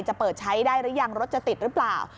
จะเปิดใช้ได้หรือยังรถจะติดหรือเปล่า